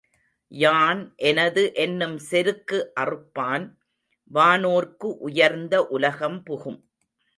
யான் எனதுஎன்னும் செருக்குஅறுப்பான் வானோர்க்கு உயர்ந்த உலகம் புகும்.